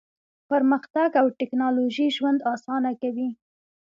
پرمختګ او ټیکنالوژي ژوند اسانه کوي.